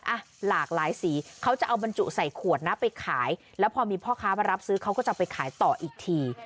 อ่ะหลากหลายสีเขาจะเอาบรรจุใส่ขวดนะไปขายแล้วพอมีพ่อค้ามารับซื้อเขาก็จะไปขายต่ออีกที